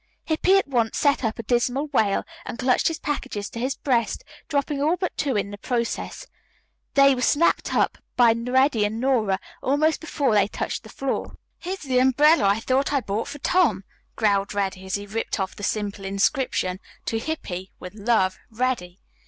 Hippy at once set up a dismal wail, and clutched his packages to his breast, dropping all but two in the process. These were snapped up by Reddy and Nora almost before they touched the floor. "Here's the umbrella I thought I bought for Tom," growled Reddy, as he ripped off the simple inscription, "To Hippy, with love, Reddy."